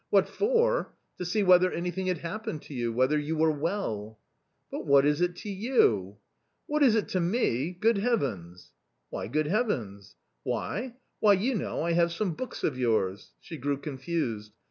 " What for ? To see whether anything had happened to you, whether you were well ?"" But what is it to you ?"" What is it to me ? Good Heavens !"" Why good Heavens ?" "Why! why you know, I have some books of yours.'' She grew confused.